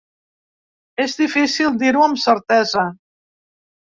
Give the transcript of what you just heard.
És difícil dir-ho amb certesa.